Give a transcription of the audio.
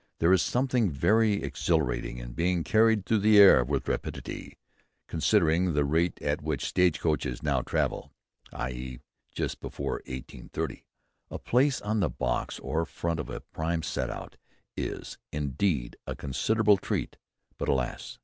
There is something very exhilarating in being carried through the air with rapidity ... considering the rate at which stage coaches now travel [i.e. in and just before 1830] ... a place on the box or front of a prime set out is, indeed, a considerable treat. But alas!